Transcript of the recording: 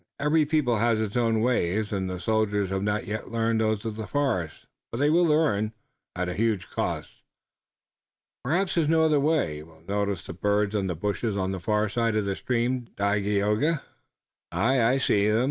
Every people has its own ways, and the soldiers have not yet learned those of the forest, but they will learn." "At a huge cost!" "Perhaps there is no other way? You will notice the birds on the bushes on the far side of the stream, Dagaeoga?" "Aye, I see 'em.